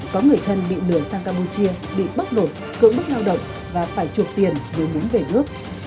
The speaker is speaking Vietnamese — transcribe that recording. có người thân bị lừa sang campuchia bị bắt đột cưỡng bức lao động và phải chuộc tiền để muốn về nước